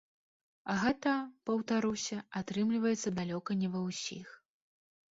А гэта, паўтаруся, атрымліваецца далёка не ва ўсіх.